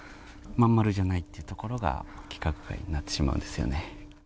まん丸じゃないというところが規格外になってしまうんですよね。